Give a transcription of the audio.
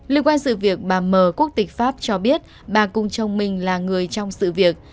liên quan sự việc bà mờ quốc tịch pháp cho biết bà cùng chồng mình là người trong sự việc